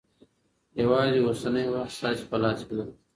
یوازې اوسنی وخت ستاسې په لاس کې دی.